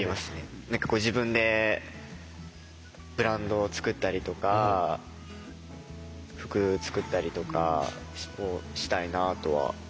自分でブランドを作ったりとか服作ったりとかをしたいなとは思っているので。